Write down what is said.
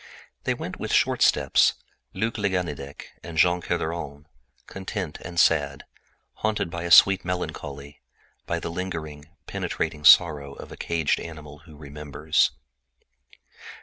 They walked with short steps, Luc le Ganidec and Jean Kerderen, content and sad, haunted by a sweet melancholy, by the lingering, ever present sorrow of a caged animal who remembers his liberty.